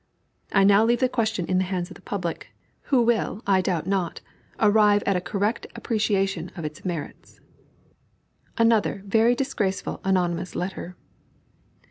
I now leave the question in the hands of the public, who will, I doubt not, arrive at a correct appreciation of its merits. ANOTHER VERY DISGRACEFUL ANONYMOUS LETTER.